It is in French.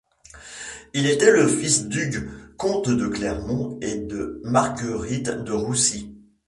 Il était fils d'Hugues, comte de Clermont, et de Marguerite de Roucy.